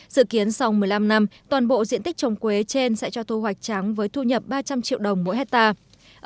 dự kiến sau một mươi năm năm toàn bộ diện tích trồng quế trên sẽ cho thu hoạch trắng với thu nhập ba trăm linh triệu đồng mỗi hectare